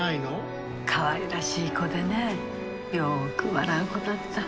かわいらしい子でねよく笑う子だった。